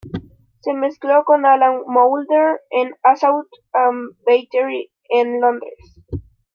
Se mezcló con Alan Moulder en Assault and Battery en Londres.